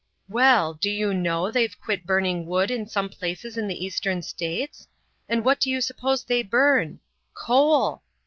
Well, do you know, they've quit burning wood in some places in the Eastern States? And what do you suppose they burn? Coal!"